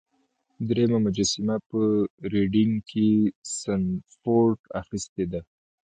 دریمه مجسمه په ریډینګ کې سنډفورډ اخیستې ده.